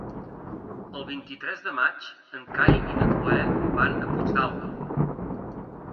El vint-i-tres de maig en Cai i na Cloè van a Puigdàlber.